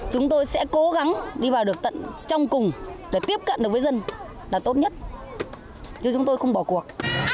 chúng tôi sẽ cố gắng đi vào được tận trong cùng để tiếp cận được với dân là tốt nhất chứ chúng tôi không bỏ cuộc